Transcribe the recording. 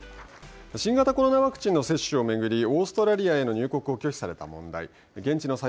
新型コロナワクチンの接種をめぐりオーストラリアへの入国を拒否された問題。